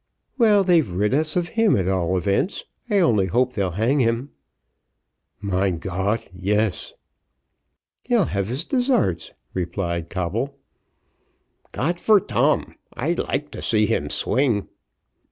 "Well, they've rid us of him at all events; I only hope they'll hang him." "Mein Gott! yes." "He'll have his desarts," replied Coble. "Got for tam! I like to see him swing."